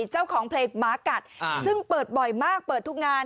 เจ้าของเพลงหมากัดซึ่งเปิดบ่อยมากเปิดทุกงาน